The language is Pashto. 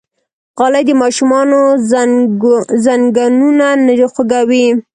غالۍ د ماشومانو زنګونونه نه خوږوي.